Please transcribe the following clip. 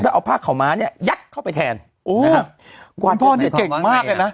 แล้วเอาผ้าข่าวม้าเนี้ยยัดเข้าไปแทนโอ้นะฮะคุณพ่อเนี่ยเก่งมากเลยนะ